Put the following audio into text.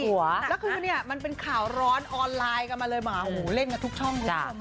แล้วคือเนี่ยมันเป็นข่าวร้อนออนไลน์กันมาเลยหมาโอ้โหเล่นกันทุกช่องคุณผู้ชม